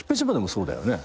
そうだよね？